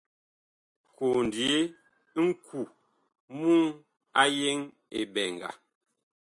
Kondye ŋku muŋ a yeŋ eɓɛnga.